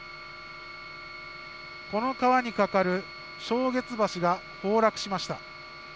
この川に架かるしょうげつ橋が崩落しました。